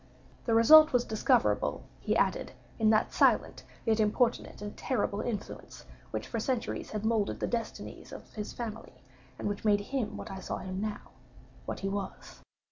The result was discoverable, he added, in that silent, yet importunate and terrible influence which for centuries had moulded the destinies of his family, and which made him what I now saw him—what he was.